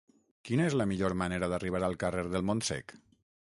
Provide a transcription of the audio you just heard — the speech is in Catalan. Quina és la millor manera d'arribar al carrer del Montsec?